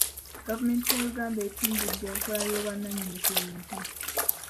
Gavumenti ya Uganda etumbudde enkola y'obwannannyini ku bintu.